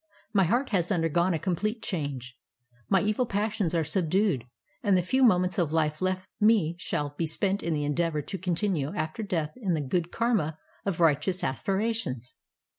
^My heart has undergone a complete change. ^My e\ il passions are subdued, and the few moments of life left me shall be spent in the endeavor to continue after death in the good karma of righteous aspirations.